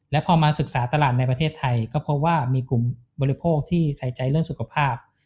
และพอมาศึกษาตลาดในประเทศไทยก็พบว่ามีกลุ่มบริโภคที่ใส่ใจเรื่องสุขภาพ